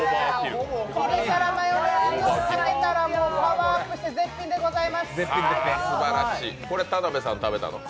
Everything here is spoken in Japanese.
ピリ辛マヨネーズをかけたらパワーアップしてこれ、田辺さん食べたの？